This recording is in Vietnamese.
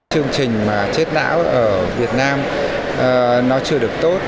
chương trình mà chết não ở việt nam nó chưa được tốt